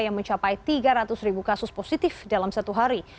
yang mencapai tiga ratus ribu kasus positif dalam satu hari